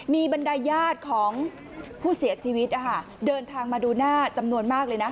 มีบรรดายญาติของผู้เสียชีวิตเดินทางมาดูหน้าจำนวนมากเลยนะ